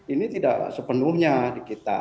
ini tidak sepenuhnya di kita